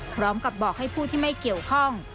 พร้อมกับบอกให้ผู้ที่ไม่เกี่ยวข้อง